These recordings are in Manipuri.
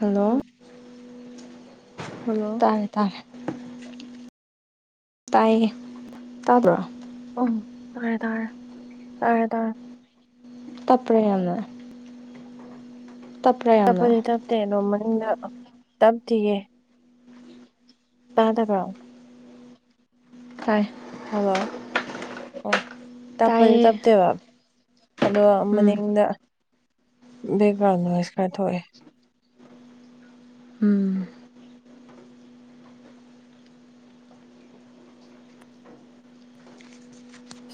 ꯍꯜꯂꯣ ꯍꯜꯂꯣ ꯇꯥꯔꯦ ꯇꯥꯔꯦ ꯇꯥꯏꯌꯦ ꯇꯕꯔꯣ ꯎꯝ ꯇꯥꯔꯦ ꯇꯥꯔꯦ ꯇꯥꯔꯦ ꯇꯥꯔꯦ ꯇꯞꯄꯔ ꯌꯥꯝꯅ ꯇꯞꯄ꯭ꯔꯥ ꯌꯥꯝꯅ ꯇꯞꯄꯗꯤ ꯇꯞꯇꯦ ꯅꯣꯡ ꯃꯅꯨꯡꯗ ꯇꯞꯇꯤꯌꯦ ꯇꯥꯗꯕ ꯐꯩ ꯍꯂꯣ ꯑꯦ ꯇꯞꯄꯗꯤ ꯇꯥꯏꯌꯦ ꯇꯞꯇꯦꯕ ꯑꯗꯣ ꯎꯝ ꯃꯅꯤꯡꯗ ꯗꯦꯕꯥꯔ ꯅꯦꯁ ꯈꯔꯥ ꯊꯣꯛꯏ ꯎꯝ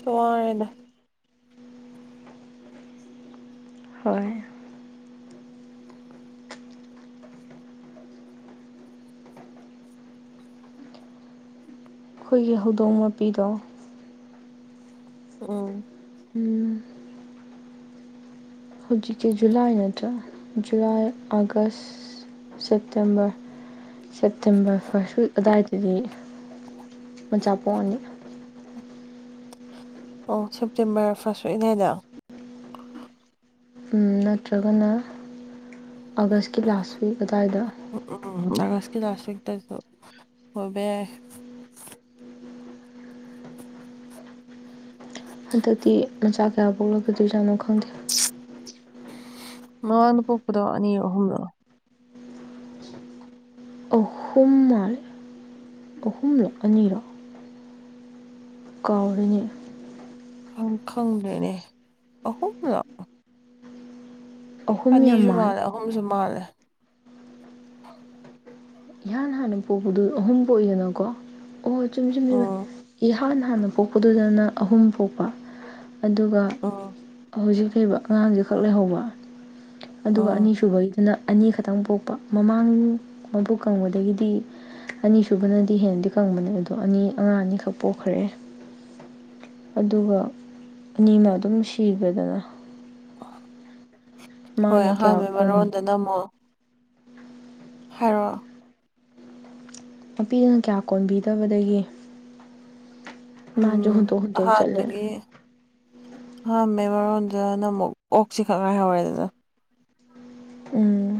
ꯁꯣꯉꯔꯦꯅ ꯍꯣꯏ ꯑꯩꯈꯣꯏꯒꯤ ꯍꯧꯗꯣꯡ ꯃꯄꯤꯗꯣ ꯑ ꯎꯝ ꯍꯧꯖꯤꯛꯀꯤ ꯖꯨꯂꯥꯏ ꯅꯠꯇ꯭ꯔꯥ ꯖꯨꯂꯥꯏ ꯑꯥꯒꯁ ꯁꯦꯞꯇꯦꯝꯕꯔ ꯁꯦꯞꯇꯦꯝꯕꯔ ꯐꯥꯔꯁ ꯑꯗꯨꯋꯥꯏꯗꯗꯤ ꯃ ꯆꯥꯄꯣꯛꯅꯤ ꯑꯣ ꯁꯦꯞꯇꯦꯝꯕꯔ ꯐꯥꯔꯁ ꯁꯏꯅꯦꯗ ꯅꯠꯇ꯭ꯔꯒꯅ ꯑꯥꯒꯁꯀꯤ ꯂꯥꯁ ꯋꯤꯛ ꯑꯗꯨꯋꯥꯏꯗ ꯅꯥꯁꯨꯛꯗꯁꯨ ꯍꯕ ꯍꯟꯗꯛꯇꯤ ꯃꯆꯥ ꯀꯌꯥ ꯄꯣꯛꯂꯛꯄꯗꯣꯏ ꯌꯥꯝꯥꯅꯣ ꯈꯪꯗꯦ ꯃꯃꯥꯅ ꯄꯣꯛꯄꯗꯣ ꯑꯅꯤ ꯑꯍꯨꯝꯅꯣ ꯑꯍꯨꯝꯥꯏ ꯑꯍꯨꯝꯂ ꯑꯅꯤꯔ ꯀꯥꯎꯔꯤꯅꯤ ꯍꯪ ꯈꯪꯥꯡ ꯂꯩꯅꯦ ꯑꯍꯨꯝ ꯂ ꯑꯍꯨꯝ ꯌꯥꯝ ꯄꯅꯤꯁꯨ ꯃꯥꯜꯂꯦ ꯃꯥꯂ ꯍꯨꯝꯁꯨꯨꯃꯂ ꯑ ꯎꯝ ꯏꯍꯥꯟ ꯍꯥꯟꯅ ꯄꯣꯛꯄꯗꯨꯗꯅ ꯑꯍꯨꯝ ꯄꯣꯛꯄ ꯑꯗꯨꯒ ꯎꯝ ꯍꯧꯖꯤꯛ ꯍꯩꯕ ꯑꯉꯥꯡꯁꯦ ꯈꯛ ꯂꯩꯍꯧꯕ ꯑꯗꯨꯒ ꯎꯝ ꯑꯅꯤꯁꯨꯕꯩ ꯑꯗꯨꯅ ꯑꯅꯤꯈꯛꯇꯪ ꯄꯣꯛꯄ ꯃꯃꯥꯡ ꯃꯕꯨꯣꯛ ꯀꯪꯕꯗꯒꯤꯗꯤ ꯑꯅꯤꯁꯨꯨꯕꯅꯗꯤ ꯍꯦꯟꯅꯗꯤ ꯀꯪꯕꯅꯦ ꯑꯗꯣ ꯑꯅꯤ ꯑꯉꯥꯡ ꯑꯅꯤꯈꯛ ꯄꯣꯛꯈ꯭ꯔꯦ ꯑꯗꯨꯒ ꯑꯅꯤꯅ ꯑꯗꯨꯝ ꯁꯤꯕꯗꯅ ꯍꯣꯏ ꯀꯌꯥ ꯑꯍꯥꯟꯕ ꯃꯔꯣꯗ ꯅꯝꯃꯣ ꯍꯥꯏꯔꯣ ꯅꯨꯄꯤꯗꯨꯅ ꯀꯌꯥ ꯀꯣꯟꯕꯤꯗꯕꯗꯒꯤꯦ ꯃꯥ ꯌꯍꯗꯣꯛ ꯍꯗꯣꯛ ꯆꯠꯂ ꯍꯥꯃꯦ ꯃꯔꯔꯣꯟꯗꯅ ꯑꯃꯨꯛ ꯑꯣꯛꯁꯤ ꯈꯪꯉꯥꯏ ꯍꯧꯔꯦꯗꯅ ꯎꯝ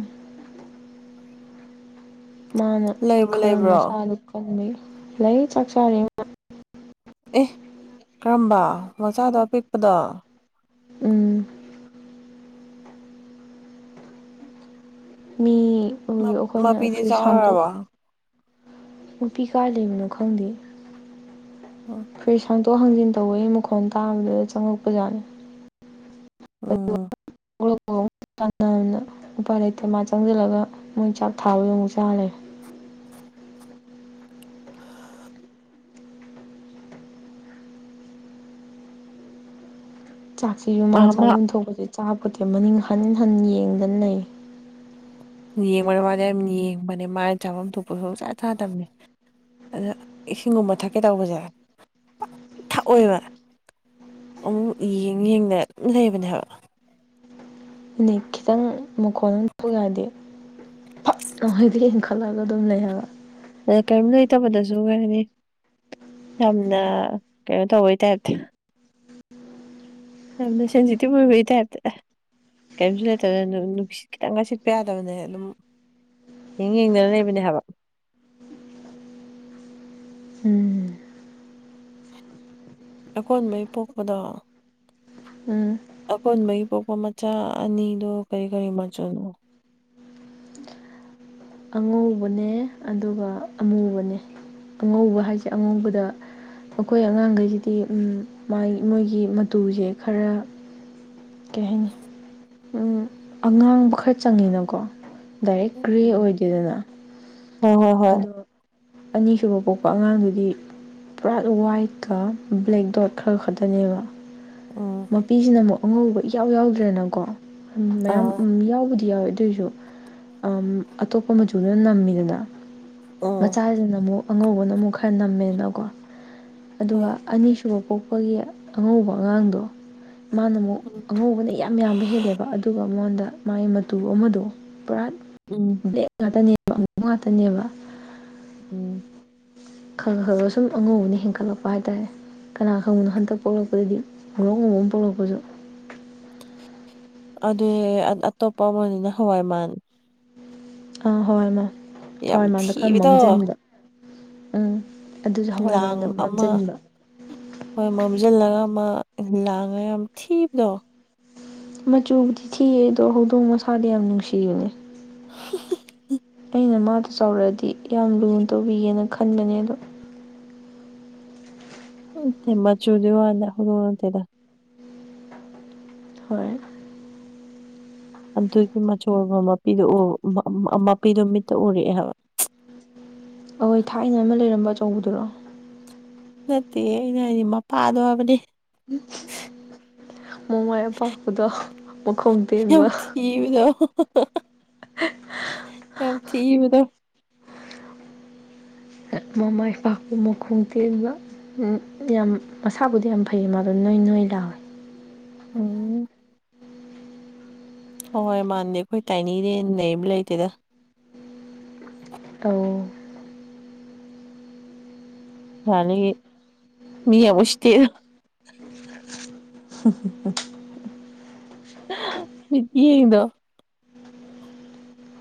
ꯃꯥꯅ ꯂꯩꯕꯨ ꯈꯔ ꯂꯩꯕ꯭ꯔꯣ ꯃꯁꯥꯗꯨ ꯀꯟꯕ ꯂꯩ ꯆꯥꯛ ꯆꯥꯔꯤ ꯃꯥ ꯑꯦ ꯀꯔꯝꯕ ꯃꯆꯥꯗꯣ ꯑꯄꯤꯛꯄꯗꯣ ꯎꯝ ꯃꯤ ꯑꯩꯈꯣꯏꯅ ꯃꯄꯤꯗꯤ ꯐ꯭ꯔꯤꯖ ꯍꯥꯡꯇꯣꯛ ꯆꯥꯎꯔꯕꯣ ꯅꯨꯄꯤ ꯀꯥ ꯂꯩꯕꯅꯣ ꯈꯪꯗꯦ ꯐ꯭ꯔꯤꯁ ꯍꯥꯡꯇꯣꯛ ꯍꯥꯡꯖꯤꯟ ꯇꯧꯕꯋ ꯃꯈꯣꯟꯜ ꯇꯥꯕꯗꯨꯗ ꯆꯪꯉꯛꯄꯖꯥꯠꯅꯤ ꯑ ꯇꯥꯟꯅꯅ ꯎꯄꯥꯏ ꯂꯩꯇ ꯃꯥ ꯆꯪꯁꯤꯜꯂꯒ ꯃꯣꯏ ꯆꯥꯛ ꯊꯥꯕꯗꯣ ꯑꯃꯨꯛ ꯆꯥꯜꯂꯦ ꯆꯥꯛꯁꯤ ꯌꯨꯃꯥ ꯑꯃ ꯆꯥꯐꯝ ꯊꯣꯛꯄꯁꯦ ꯆꯥꯄꯣꯗꯤꯦ ꯃꯅꯤꯡ ꯍꯟ ꯍꯟ ꯌꯦꯡꯗꯅ ꯂꯩ ꯌꯦꯡꯕ ꯃꯥꯅ ꯌꯥꯝ ꯌꯦꯡꯕꯅꯦ ꯃꯥꯅ ꯆꯥꯐꯝ ꯊꯣꯛꯄꯁꯨꯁꯥ ꯆꯥꯗꯕꯅꯦ ꯑ ꯏꯁꯤꯡꯒꯨꯝꯕ ꯊꯛꯀꯦ ꯇꯧꯕꯁꯦ ꯊꯛꯑꯣꯏꯕ ꯑꯃꯨꯛ ꯌꯦꯡ ꯌꯦꯡꯅ ꯂꯩꯕꯅꯦ ꯍꯥꯏꯕ ꯑꯗꯨꯅꯤ ꯈꯤꯇꯪ ꯃꯈꯣꯜ ꯑꯃ ꯌꯥꯗꯦ ꯑꯩꯣꯏꯗꯤ ꯏꯡꯈꯠꯂꯒ ꯑꯗꯨꯝ ꯂꯩ ꯍꯥꯏꯕ ꯑ ꯀꯔꯤꯝ ꯂꯩꯇꯕꯗꯁꯨ ꯀꯔꯤꯅꯤ ꯌꯥꯝꯅ ꯀꯩꯅꯣ ꯇꯧꯕꯩ ꯇꯥꯏꯞꯇꯤꯅ ꯌꯥꯝꯅ ꯁꯟꯖꯤꯇꯕꯨꯕ ꯇꯕꯇꯗ ꯀꯔꯤꯝꯁꯨ ꯂꯩꯇꯕꯗ ꯅꯨꯡꯁꯤꯠ ꯈꯤꯇꯪꯒ ꯁꯤꯠꯄ ꯌꯥꯗꯕꯅꯦ ꯑꯗꯨꯝ ꯍ ꯌꯦꯡꯗꯅ ꯂꯩꯕꯅꯦ ꯍꯥꯏꯕ [unintelligible] ꯎꯝ ꯑꯀꯣꯟꯕꯩ ꯄꯣꯛꯄꯗ ꯎꯝ ꯑꯀꯣꯟꯕꯒꯤ ꯄꯣꯛꯄ ꯃꯆꯥ ꯑꯅꯤꯗꯨ ꯀꯔꯤ ꯀꯔꯤ ꯃꯆꯨꯅꯣ [unintelligible] ꯑꯉꯧꯕꯅꯦ ꯑꯗꯨꯒ ꯑꯃꯨꯕꯅꯦ ꯑꯉꯧꯕ ꯍꯥꯏꯁꯦ ꯑꯉꯧꯕꯗ ꯑꯩꯈꯣꯏ ꯑꯉꯥꯡꯈꯩꯁꯤꯗꯤ ꯃꯣꯏꯒꯤ ꯃꯇꯨꯁꯦ ꯈꯔ ꯀꯩ ꯍꯥꯏꯅꯤ ꯎꯝ ꯑꯉꯥꯡꯕ ꯈꯔ ꯆꯪꯉꯤꯅꯀꯣ ꯗꯥꯏꯔꯦꯛ ꯒ꯭ꯔꯦ ꯎꯝ ꯑꯣꯏꯗꯦꯗꯅ ꯍꯣꯏ ꯍꯣꯏ ꯍꯣꯏ ꯑꯗꯣ ꯑꯅꯤꯁꯨꯕ ꯄꯣꯛꯄ ꯑꯉꯥꯡꯗꯨꯗꯤ ꯄꯨꯔꯥꯠ ꯋꯥꯏꯠꯀ ꯕ꯭ꯂꯦꯛ ꯗꯣꯠ ꯈꯔ ꯈꯛꯇꯅꯦꯕ ꯎꯝ ꯃꯄꯤꯁꯤꯅ ꯑꯃꯨꯛ ꯑꯉꯧꯕ ꯏꯌꯥꯎ ꯌꯥꯎꯗ꯭ꯔꯦꯅꯀꯣ ꯃꯌꯥꯝ ꯑꯥ ꯌꯥꯎꯕꯗꯤ ꯌꯥꯎꯋꯦ ꯑꯗꯨꯑꯣꯏꯁꯨ ꯑꯇꯣꯞꯄ ꯃꯆꯨꯅ ꯅꯝꯃꯤꯗꯅ ꯎꯝ ꯃꯆꯥꯁꯤꯅ ꯑꯃꯨꯛ ꯑꯉꯧꯕꯅ ꯑꯃꯨꯛ ꯈꯔ ꯅꯝꯃꯦꯅꯀꯣ ꯑꯗꯨꯒ ꯍꯣꯏ ꯑꯅꯤꯁꯨ ꯁꯤꯕꯣ ꯄꯣꯛꯄꯒꯤ ꯑꯉꯧꯕ ꯑꯉꯥꯡꯗꯣ ꯃꯥꯅ ꯑꯃꯨꯛ ꯎꯝ ꯑꯉꯧꯕꯅ ꯌꯥꯝ ꯌꯥꯝꯕ ꯍꯦꯜꯂꯦꯕ ꯑꯗꯨꯒ ꯃꯉꯣꯟꯗ ꯃꯥꯒꯤ ꯃꯇꯨ ꯑꯃꯗꯣ ꯄꯨꯔꯥ ꯎꯝ ꯕ꯭ꯂꯦꯛ ꯉꯥꯛꯇꯅꯦꯕ ꯑ ꯉꯥꯛꯇꯅꯦꯕ ꯎꯝ ꯈꯪ ꯈ꯭ꯔꯒ ꯁꯨꯝ ꯑꯉꯧꯕꯅ ꯍꯦꯟꯒꯠꯂꯛꯄ ꯍꯥꯏꯇꯥꯔꯦ ꯀꯅꯥ ꯈꯪꯕꯅꯣ ꯍꯟꯇꯛ ꯄꯣꯛꯂꯛꯄꯗꯗꯤ ꯃꯣꯔꯧ ꯉꯨꯝꯕ ꯑꯃ ꯄꯣꯛꯂꯛꯄꯁꯨ ꯑꯗꯨ ꯑꯇꯣꯞꯄ ꯑꯃꯅꯤꯅ ꯍꯋꯥꯏꯃꯥꯟ ꯑꯥ ꯍꯣꯏ ꯃꯥ ꯌꯥꯝ ꯍꯣꯏ ꯃꯥꯗꯣ ꯈꯔ ꯊꯤꯕꯗꯣ ꯃꯝꯁꯤꯟꯕ ꯎꯝ ꯑꯗꯨꯁꯨ ꯍꯋꯥꯏ ꯂꯥꯡ ꯃꯥꯟꯗ ꯑꯃ ꯃꯝꯁꯤꯟꯕ ꯍꯣꯏ ꯃꯝꯁꯤꯜꯂꯒ ꯂꯉ ꯌꯥꯝ ꯊꯤꯕꯗꯣ ꯃꯆꯨꯕꯨꯗꯤ ꯊꯤꯑꯦ ꯑꯗꯣ ꯍꯧꯗꯣꯡ ꯃꯁꯥꯗꯤ ꯌꯥꯝ ꯅꯨꯡꯁꯤꯕꯅꯦ ꯎ ꯑꯩꯅ ꯃꯥꯗꯣ ꯆꯥꯎꯔꯛꯑꯗꯤ ꯌꯥꯝ ꯂꯨꯅ ꯇꯧꯕꯤꯒꯦꯅ ꯈꯟꯕꯅꯦ ꯑꯗꯣ ꯃꯆꯨꯗꯣꯗ ꯍꯧꯅꯔ ꯍꯣꯏ ꯑꯗꯨꯒꯤ ꯃꯆꯣꯏꯕ ꯃꯄꯤꯗꯨ ꯃꯄꯤꯗꯨꯣ ꯃꯤꯠꯇ ꯎꯔꯛꯑꯦ ꯍꯥꯏꯕ ꯑꯈꯣꯏ ꯊꯥꯏꯅ ꯑꯃ ꯂꯩꯔꯝꯕ ꯑꯆꯧꯕꯗꯨꯔꯣ ꯅꯠꯇꯦ ꯑꯩꯅ ꯍꯥꯏꯗꯤ ꯃꯄꯥꯗꯣꯕꯅꯤ ꯃꯃꯥꯏ ꯑꯄꯥꯛꯄꯗꯣ ꯃꯈꯣꯡ ꯇꯦꯟꯕ ꯑ ꯊ ꯇ ꯃꯃꯥ ꯏꯄꯥꯄꯨ ꯃꯈꯣꯡ ꯇꯦꯟꯕ ꯌꯥꯝ ꯃꯁꯥꯕꯨꯗꯤ ꯌꯥꯝ ꯐꯩ ꯃꯥꯗꯣ ꯅꯣꯏ ꯅꯣꯏ ꯂꯥꯎꯋꯦ ꯎꯝ ꯍꯣꯏꯣꯏ ꯃꯥꯟꯗꯦ ꯑꯩꯈꯣꯏ ꯇꯥꯏꯅꯤꯅꯦ ꯅꯕ ꯂꯩꯇꯦꯗ ꯇꯧ ꯌꯥꯅꯤ ꯃꯤ ꯄꯨꯁꯇꯩꯗ ꯏ ꯏꯗ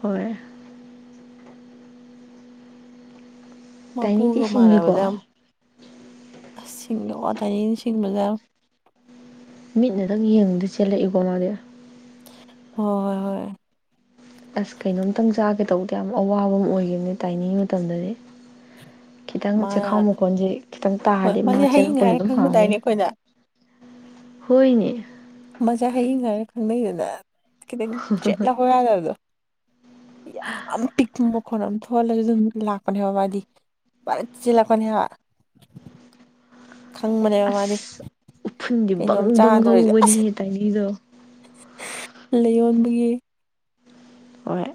ꯍꯣꯏ ꯃꯄꯨꯒ ꯇꯥꯏꯅꯤꯗꯤ ꯁꯤꯡꯉꯤꯀꯣ ꯃꯥꯕꯗꯥ ꯌꯥꯝ ꯁꯤꯡ ꯑꯣ ꯇꯅꯤ ꯁꯤꯡꯁꯤꯡꯕꯖꯔ ꯃꯤꯅꯗꯥꯪ ꯌꯦꯡꯕꯗ ꯆꯦꯜꯂꯛꯏꯀꯣ ꯃꯥꯗꯤ ꯍꯣꯏ ꯍꯣꯏ ꯑꯁ ꯀꯩꯅꯣꯝꯇꯪ ꯆꯥꯒꯦ ꯇꯧꯕꯗꯤ ꯌꯥꯝ ꯑꯋꯥꯕ ꯑꯃ ꯑꯣꯏꯈꯤꯕꯅꯦ ꯇꯥꯏꯅꯤꯡꯉꯤ ꯃꯇꯝꯗꯗꯤ ꯈꯤꯇꯪ ꯃꯥꯅ ꯆꯦꯈꯥꯎ ꯃꯈꯣꯟꯁꯤꯦ ꯈꯤꯇꯪ ꯍꯣꯏ ꯇꯥꯔꯗꯤ ꯃꯥ ꯃꯁꯦ ꯆꯦꯔꯛ ꯍꯌꯤꯡ ꯄꯥꯗ ꯍꯥꯏꯔ ꯑꯗꯨꯝ ꯍꯥꯜꯂꯥꯅꯤ ꯈꯪꯅꯗꯥꯏꯅꯦ ꯑꯩꯈꯣꯏꯅ ꯍꯣꯏꯅꯦ ꯃꯁꯛ ꯍꯌꯤꯡ ꯍꯥꯏꯔ ꯈꯪꯅꯩꯗꯅ ꯈꯤꯇꯪ ꯆꯦꯠꯂꯍꯧ ꯌꯥꯗꯕꯗꯣ [unintelligible] ꯌꯥꯝ ꯄꯤꯛꯄ ꯃꯈꯣꯟꯅ ꯑꯃ ꯊꯣꯛꯣꯍꯜꯂꯁꯨ ꯑꯗꯨꯝ ꯂꯥꯛꯄꯅꯦꯕ ꯋꯥꯗꯤ ꯐꯔꯦ ꯆꯤꯜꯂꯛꯀꯅꯦ ꯍꯥꯏꯕ ꯈꯪꯕꯅꯦꯕ ꯃꯥꯗꯤ ꯑꯁ ꯎꯐꯨꯟꯗꯤ ꯕꯪ ꯀꯩꯅꯣꯝ ꯕꯪ ꯆꯥꯗꯣꯔꯤꯁꯦ ꯍꯧꯕꯅꯤꯍꯦ ꯇꯥꯏꯅꯤꯗꯣ ꯂꯩꯌꯣꯟꯕꯒꯤ ꯍꯣꯏ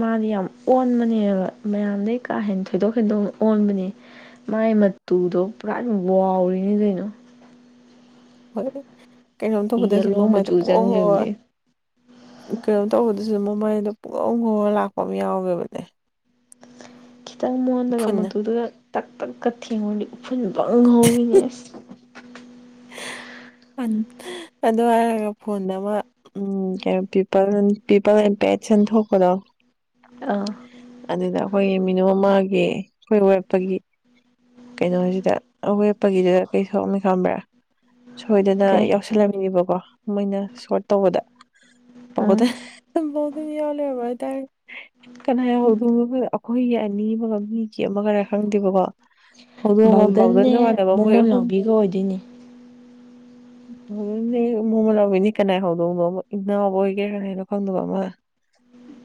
ꯃꯥꯗꯤ ꯌꯥꯝ ꯑꯣꯟꯕꯅꯦꯕ ꯃꯌꯥꯝꯗꯒꯤꯩ ꯀꯥ ꯍꯦꯟꯅ ꯊꯣꯏꯗꯣꯛ ꯍꯦꯟꯗꯣꯛꯅ ꯑꯣꯟꯕꯅꯦ ꯃꯥꯏ ꯃꯇꯨꯗꯣ ꯄꯨꯔꯥ ꯋꯥꯎꯔꯤꯅꯤ ꯀꯩꯅꯣ ꯍꯣꯏ ꯀꯩꯅꯣꯝ ꯇꯧꯕꯗꯁꯨ ꯌꯦꯜꯂꯣ ꯃꯃꯥꯏꯗ ꯃꯆꯨ ꯄꯣꯛꯑꯣ ꯆꯪꯈꯤꯕꯅꯦ ꯀꯩꯅꯣ ꯇꯧꯕꯗꯨꯁꯨ ꯃꯣꯃꯩꯗꯣ ꯄꯨꯡꯉꯧ ꯉꯧꯔ ꯂꯥꯛꯄ ꯑꯃ ꯌꯥꯎꯦꯕꯅꯦ ꯈꯤꯇꯪ ꯃꯨꯍꯜꯂꯒ ꯃꯨꯗꯨꯒ ꯇꯛ ꯇꯛꯀ ꯊꯦꯡꯉꯗꯤ ꯎꯐꯨꯟꯕ ꯉꯍꯥꯎꯋꯤꯅꯦꯁ ꯑꯗꯨ ꯍꯥꯏꯔꯒ ꯐꯣꯟꯗ ꯑꯃ ꯎꯝ ꯀꯩꯅꯣ ꯄꯤꯄꯜ ꯄꯤꯄꯜꯝ ꯑꯦꯁꯟ ꯊꯣꯛꯄꯗꯣ ꯑꯥ ꯑꯗꯨꯗꯥꯛ ꯑꯩꯈꯣꯏ ꯃꯤꯅꯣ ꯃꯥꯒꯤ ꯑꯩꯈꯣꯏ ꯋꯦꯞꯇꯒꯤ ꯀꯩꯅꯣꯁꯤꯗ ꯑꯋꯦꯠꯄꯒꯤꯗꯨ ꯀꯩ ꯁꯣꯛꯑꯝꯃꯤ ꯈꯪꯕ꯭ꯔꯥ ꯁꯣꯏꯗꯅ ꯀꯩ ꯌꯥꯎꯁꯜꯂꯝꯃꯤꯕꯀꯣ ꯃꯣꯏꯅ ꯁꯣꯔꯠ ꯇꯧꯕꯗ ꯎꯝ ꯕꯣꯗ ꯃꯤ ꯌꯥꯎ ꯂꯩꯔꯝꯕ ꯍꯥꯏ ꯇꯥꯔꯦ ꯀꯅꯥ ꯌꯥꯎꯗꯣꯅ ꯑꯩꯈꯣꯏꯒꯤ ꯑꯅꯤ ꯑꯃꯒ ꯃꯤꯒꯤ ꯑꯃꯒꯔ ꯈꯪꯗꯦꯕꯀꯣ ꯍꯧꯗꯣꯡ ꯑꯃ ꯕꯥꯎꯗꯟꯅꯦ ꯕꯥꯎꯗꯟꯒ ꯃꯥꯟꯅꯕ ꯃꯣꯏ ꯃꯃꯣꯟ ꯑꯍꯨꯝ ꯂꯥꯡꯕꯤꯒ ꯑꯣꯏꯗꯣꯏꯅꯦ ꯑꯗꯨꯅꯦ ꯃꯣꯃ ꯂꯥꯎꯤꯅꯤ ꯀꯅꯥ ꯍꯧꯗꯧꯅꯣ ꯏꯅꯥꯎꯕ ꯑꯣꯏꯒꯦ ꯀꯅꯥ ꯍꯥꯏꯅꯣ ꯈꯪꯗꯕ ꯑꯃ ꯎꯝ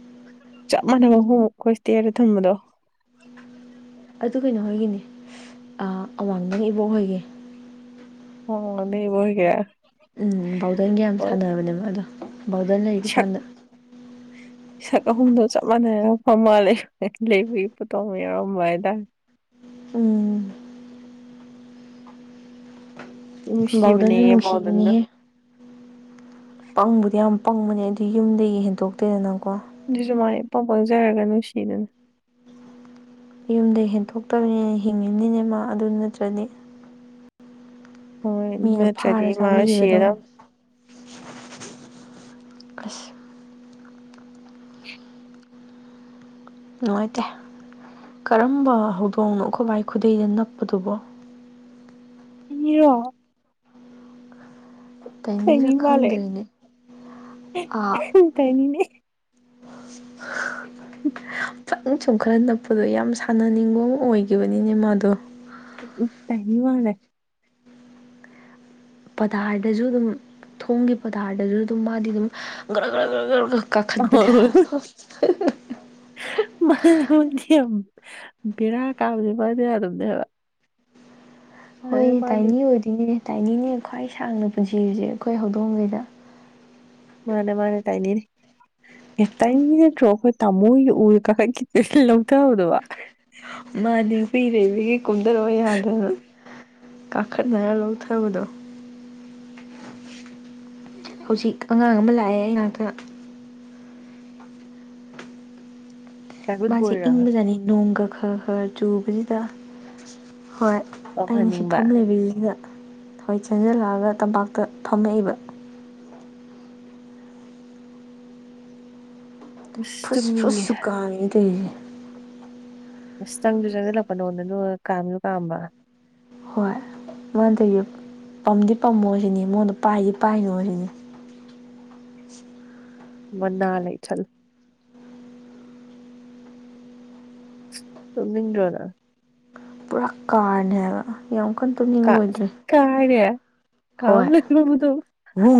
ꯆꯞ ꯃꯥꯟꯅꯕ ꯑꯍꯨꯝꯨꯛ ꯑꯩꯈꯣꯏ ꯇꯦꯔꯦ ꯊꯝꯕꯗꯣ ꯑꯗꯨ ꯀꯩꯅꯣ ꯍꯣꯏꯒꯤꯅꯤ ꯑꯋꯥꯡꯕꯪ ꯏꯕꯣꯛ ꯍꯣꯏꯒꯤ ꯑꯣ ꯅꯕꯍꯤꯒ ꯎꯝ ꯕꯥꯎꯗꯟꯒ ꯌꯥꯝ ꯁꯥꯟꯅꯕꯅꯦꯕ ꯑꯗꯣ ꯕꯥꯎꯗꯟ ꯂꯩꯕ ꯁꯛ ꯀꯥꯟꯗ ꯑꯍꯨꯝꯗꯣ ꯆꯞ ꯃꯥꯟꯅꯩꯔ ꯐ ꯃꯥꯜꯂ ꯂꯩꯕꯒꯤ ꯄꯣꯠꯇꯣ ꯌꯥꯎꯔꯝꯕ ꯍꯥꯏꯇꯥꯔꯦ ꯎꯝ ꯕꯎꯗꯅ ꯅꯨꯡꯁꯤꯕꯅꯦꯌꯦ ꯕꯥꯎꯗꯟꯗꯣ ꯅꯨꯡꯁꯤꯕꯅꯤꯍꯦ ꯄꯪꯕꯨꯗꯤ ꯌꯥꯝ ꯄꯪꯕꯅꯦ ꯑꯗꯨ ꯌꯨꯝꯗꯒꯤ ꯍꯦꯟꯗꯣꯛꯇꯦꯗꯅꯀꯣ ꯑꯗꯨꯁꯨ ꯃꯥꯏ ꯏ ꯄꯥꯎ ꯄꯪꯖꯔꯒ ꯅꯨꯡꯁꯤꯗꯨꯅ ꯌꯨꯝꯗ ꯍꯦꯟꯊꯣꯛꯇꯕꯅꯤꯅ ꯍꯤꯡꯉꯤꯕꯅꯤꯅꯦ ꯃꯥ ꯑꯗꯨ ꯅꯠꯇ꯭ꯔꯗꯤ ꯍꯣꯏ ꯃꯤꯅ ꯅꯠꯇ꯭ꯔꯗꯤ ꯐꯥꯔ ꯃꯥ ꯁꯤꯔ ꯆꯥꯕꯤꯒꯗꯧꯅꯤ ꯑꯁ ꯅꯨꯡꯉꯥꯏꯇꯦ ꯀꯔꯝꯕ ꯍꯧꯗꯣꯡꯅꯣ ꯈꯣꯚꯏ ꯈꯨꯗꯩꯗ ꯅꯞꯄꯗꯨꯕꯣ ꯅꯤꯔꯣ ꯇꯥꯏꯅꯤ ꯇꯥꯏꯅꯤꯔ ꯃꯥꯂꯦ ꯈꯪꯗ꯭ꯔꯦꯅꯦ ꯑꯥ ꯇꯥꯏꯅꯤꯅꯦ ꯄꯪ ꯁꯨꯝ ꯈꯔ ꯅꯞꯄꯗꯣ ꯌꯥꯝ ꯁꯥꯟꯅꯅꯤꯡꯕ ꯑꯃ ꯑꯣꯏꯈꯤꯕꯅꯤꯅꯦ ꯃꯥꯗꯣ ꯎ ꯇꯅꯤ ꯋꯥ ꯄꯇꯥꯔꯗꯁꯨ ꯑꯗꯨꯝ ꯊꯣꯡꯒꯤ ꯄꯇꯥꯔꯗꯁꯨ ꯑꯗꯨꯝ ꯃꯥꯗꯤ ꯑꯗꯨꯝ ꯍꯣꯏ ꯀꯥꯈꯠꯄꯗ ꯍꯣꯏ ꯃꯥ ꯃꯣꯏꯗꯤ ꯌꯥꯝ ꯕꯦꯔꯥ ꯀꯥꯕꯗꯤꯦ ꯃꯥꯗ ꯑꯗꯨꯝꯅꯦꯕ ꯍꯣꯏꯅꯦ ꯇꯥꯏꯅꯤ ꯑꯣꯏꯗꯣꯏꯅꯦ ꯇꯥꯏꯅꯤꯅꯦ ꯈ꯭ꯋꯥꯏ ꯁꯥꯡꯅ ꯄꯨꯟꯁꯤꯔꯤꯁꯦ ꯑꯩꯈꯣꯏ ꯍꯧꯗꯣꯡꯉꯩꯗ ꯃꯥꯅꯦ ꯃꯥꯅꯦ ꯇꯥꯏꯅꯤꯅꯦ ꯑꯦꯇꯩꯒꯤꯠꯇ꯭ꯔꯣꯈ ꯇꯃꯣ ꯎꯔ ꯀꯈꯤ ꯂꯧꯗꯕꯗꯕ ꯃꯥꯅꯦ ꯍꯨꯏ ꯂꯩꯕꯒꯤ ꯀꯨꯝꯊꯔꯑꯣ ꯌꯥꯗꯅ ꯀꯥꯈꯠ ꯂꯧ ꯊꯕꯗꯣ ꯍꯧꯖꯤꯛ ꯑꯉꯥꯡ ꯑꯃ ꯂꯥꯛꯑꯦ ꯑꯩꯅꯥꯥꯛꯛꯇ ꯆꯥꯏꯜꯍꯨꯗ ꯃꯥꯁꯦ ꯕꯣꯏꯔ ꯏꯪꯕꯖꯥꯅꯤ ꯅꯣꯡꯒ ꯈꯔ ꯈꯔ ꯆꯨꯕꯁꯤꯗ ꯍꯣꯏ ꯑꯩꯅ ꯇꯧꯍꯟꯅꯤꯡꯕ ꯁꯤꯐꯝ ꯂꯩꯕꯤꯔꯤꯁꯤꯗ ꯍꯣꯏ ꯆꯦꯟꯖꯤꯜꯂꯛꯑꯒ ꯇꯝꯄꯥꯛꯇ ꯐꯝꯃꯛꯏꯕ ꯑꯁ ꯐꯨꯁ ꯇꯨꯝꯅꯤꯡꯉꯦ ꯐꯨꯁꯒꯥꯏꯗꯦ ꯑꯁ ꯆꯪꯁꯨ ꯆꯪꯁꯤꯜꯂꯛꯄ ꯅꯉꯣꯟꯗ ꯅ ꯀꯥꯝꯁꯨ ꯀꯥꯝꯕ ꯍꯣꯏ ꯃꯗꯒꯤ ꯄꯝꯗꯤ ꯄꯝꯃꯣꯁꯤꯅꯤ ꯃꯉꯣꯟꯗ ꯄꯥꯏꯗꯤ ꯄꯥꯏꯅꯣꯁꯤꯅꯤ ꯃꯅꯥ ꯂꯩꯩ ꯁꯗ꯭ꯔꯣꯅ ꯇꯀꯥꯅꯦꯕ ꯌꯥꯝ ꯀꯟꯅ ꯀꯥ ꯇꯣꯛꯅꯤꯡꯕ ꯑꯣꯏꯗ꯭ꯔꯦ ꯀꯥꯏꯔꯦ ꯀꯥꯝ ꯍꯣꯏ ꯂꯩꯔꯝꯕꯗꯣ ꯎ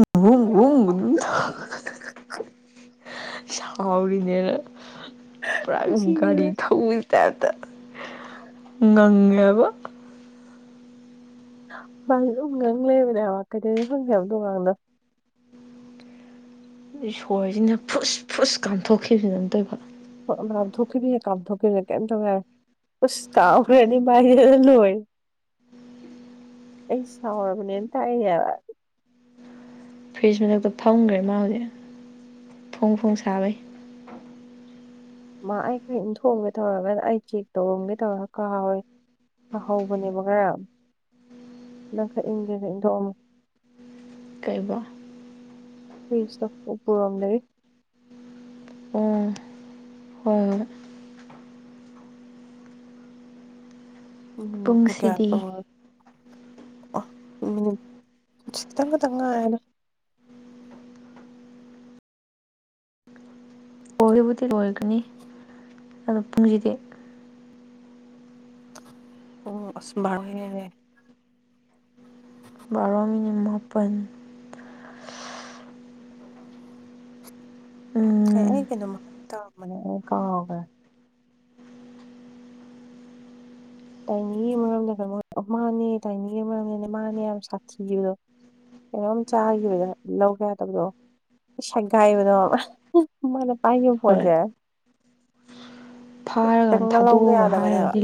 ꯍ ꯎ ꯁꯥꯎꯔꯤꯅꯦꯅ ꯄꯨꯔꯥ ꯑꯗꯨꯝꯒꯥꯔꯤ ꯁꯤꯅꯦꯅ ꯊꯧ ꯇ ꯉꯪꯉꯕ ꯃꯥ ꯎꯒꯪ ꯂꯩꯕꯅꯦꯕ ꯀꯩꯗꯩ ꯍꯪꯒꯦꯕ ꯣꯀꯥꯟꯗꯣ ꯏꯁꯣꯔꯁꯤꯅ ꯐꯨꯁ ꯐꯨꯁ ꯀꯥꯝꯊꯣꯛꯈꯤꯕꯁꯤ ꯅꯝ ꯇꯧꯕ ꯊꯙꯣꯛꯀꯦꯕꯤ ꯀꯥꯝ ꯊꯙꯀꯦꯗ ꯀꯝꯇꯧꯋ ꯁ ꯀꯔꯅꯤ ꯃꯥꯥꯏꯗ ꯂꯣꯏ ꯑꯩ ꯁꯔ ꯃꯅꯤꯅ ꯇꯥꯏ ꯌꯥ ꯐ꯭ꯔꯤꯖ ꯃꯊꯛꯇ ꯐꯝꯈ꯭ꯔꯦ ꯃꯥ ꯍꯧꯖꯤꯛ ꯐꯣꯡ ꯐꯣꯡ ꯁꯥꯕꯩ ꯃꯥ ꯑꯩ ꯀꯔꯤ ꯊꯣꯡꯒꯦ ꯇꯧꯔꯒꯅ ꯑꯩ ꯆꯦꯛ ꯇꯧꯔꯝꯒꯦ ꯇꯧꯔꯒ ꯀꯍꯋꯦ ꯑ ꯍꯧꯕꯅꯦꯕ ꯀꯔꯝ ꯏ ꯈ ꯏꯒꯦꯔꯊꯣꯛꯃ ꯀꯩꯕ ꯐꯔꯤꯁꯇ ꯎꯄꯔꯝ ꯂꯩ ꯍꯣꯏ ꯍꯣꯏ ꯎꯝ ꯀꯌꯥ ꯄꯨꯡꯁꯤꯗꯤ ꯇ ꯆꯇ ꯇꯉꯅ ꯑꯣꯏꯕꯨꯗꯤ ꯑꯣꯏꯒꯅꯤ ꯑꯗꯣ ꯄꯨꯡꯁꯤꯗꯤ ꯑꯣꯕꯥꯔꯦ ꯕꯥꯔꯣ ꯃꯤꯅꯤꯠ ꯃꯥꯄꯜ ꯎꯝ ꯑꯩ ꯀꯩꯅꯣ ꯍꯥ ꯇ ꯃ ꯑꯦ ꯀ ꯇꯥꯏꯅꯤꯒꯤ ꯃꯔꯝꯗ ꯀꯩꯅꯣ ꯃꯥꯅꯦ ꯇꯥꯏꯅꯤꯒꯤ ꯃꯔꯝꯗꯅꯦ ꯃꯥꯅꯦ ꯌꯥꯝ ꯁꯥꯊꯤꯈꯤꯕꯗꯣ ꯀꯩꯅꯣꯝ ꯆꯥꯈꯤꯕꯗ ꯂꯧꯒ ꯌꯥ ꯇꯕꯗꯣ ꯁꯒꯥꯏꯕꯗ ꯃꯅ ꯍꯣꯏ ꯄꯥꯏꯄꯣꯖꯦ ꯐꯥꯔꯀꯥꯟꯗ ꯂꯧꯕ ꯊꯥꯗꯣꯛꯑꯒ ꯌꯥꯗꯕꯅꯦꯕ ꯍꯥꯏꯔꯗꯤ